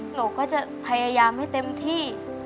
หนูก็จะพยายามให้เต็มที่